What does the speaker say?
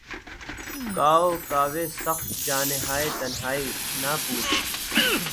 کاؤ کاوِ سخت جانیہائے تنہائی، نہ پوچھ